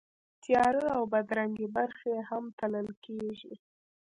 تیاره او بدرنګې برخې یې هم تلل کېږي.